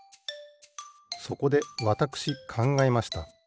そこでわたくしかんがえました。